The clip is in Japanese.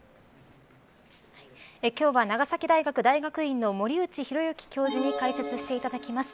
今日は長崎大学大学院の森内浩幸教授に解説していただきます。